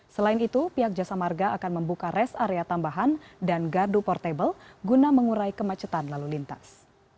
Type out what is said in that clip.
selain itu pihak jasa marga akan membuka res area tambahan dan gardu portable guna mengurai kemacetan lalu lintas